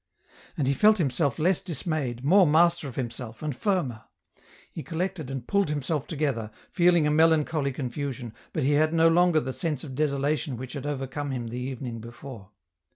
And he felt himself less dismayed, more master of himself, and firmer. He collected and pulled himself together, feeling a melancholy confusion, but he had no longer the sense of desolation which had overcome him the evening before.